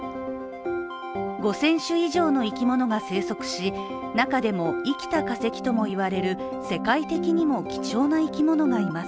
５０００種以上の生き物が生息し中でも生きた化石ともいわれる世界的にも貴重な生き物がいます。